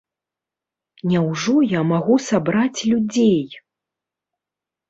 Няўжо я магу сабраць людзей?